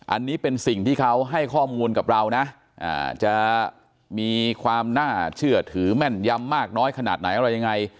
อันนี้เป็นสิ่งที่เขาให้ข้อมูลกับเรานะจะมีความน่าเชื่อถือแม่นยำมากน้อยขนาดไหนอะไรยังไง